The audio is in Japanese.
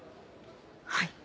はい。